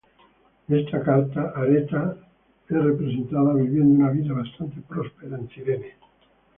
En esta carta, Areta es representada viviendo una vida bastante próspera en Cirene.